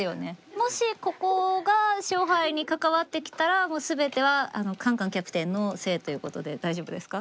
もしここが勝敗にかかわってきたらもう全てはカンカンキャプテンのせいということで大丈夫ですか？